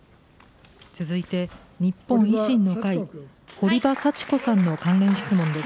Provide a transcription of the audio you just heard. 続いて、日本維新の会、堀場幸子さんの関連質問です。